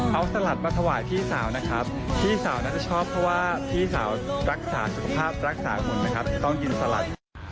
เอาสลัดมาถวายพี่สาวนะครับพี่สาวน่าจะชอบเพราะว่าพี่สาวรักษาสุขภาพรักษาคนนะครับต้องกินสลัด